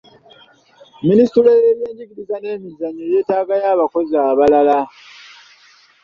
Minisitule y'ebyenjigiriza n'ebyemizannyo yeetaagayo abakozi abalala.